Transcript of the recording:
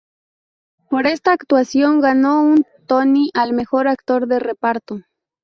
Por esta actuación ganó un Tony al mejor actor de reparto.